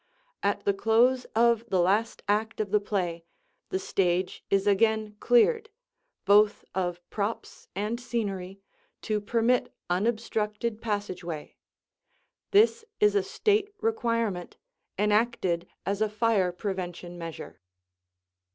At the close of the last act of the play the stage is again cleared, both of props and scenery, to permit unobstructed passageway. This is a state requirement, enacted as a fire prevention measure.